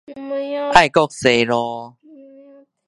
愛國西路